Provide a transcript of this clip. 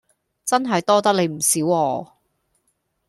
真係多得你唔少啊